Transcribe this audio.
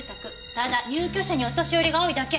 ただ入居者にお年寄りが多いだけ。